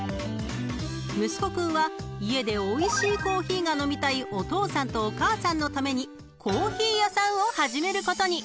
［息子君は家でおいしいコーヒーが飲みたいお父さんとお母さんのためにコーヒー屋さんを始めることに］